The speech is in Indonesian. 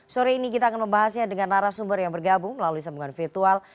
sore ini kita akan membahasnya dengan arah sumber yang bergabung melalui sambungan virtual